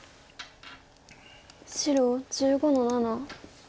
白１５の七。